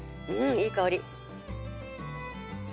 いい香り。